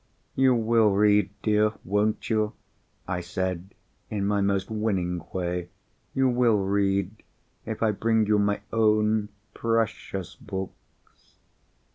"You will read, dear, won't you?" I said, in my most winning way. "You will read, if I bring you my own precious books?